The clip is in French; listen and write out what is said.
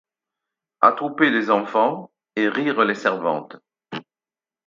Attrouper les enfants et rire les servantes !